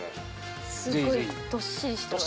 すっごいどっしりしてます。